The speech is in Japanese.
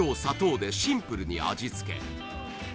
砂糖でシンプルに味付け